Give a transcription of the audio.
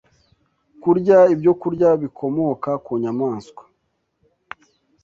kurya ibyokurya bikomoka ku nyamaswa.